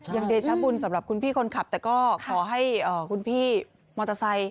เดชบุญสำหรับคุณพี่คนขับแต่ก็ขอให้คุณพี่มอเตอร์ไซค